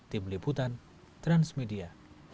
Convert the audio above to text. tim liputan transmedia